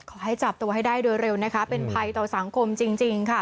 ขอให้จับตัวให้ได้โดยเร็วนะคะเป็นภัยต่อสังคมจริงค่ะ